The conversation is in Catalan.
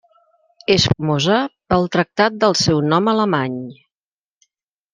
És famosa pel tractat del seu nom alemany.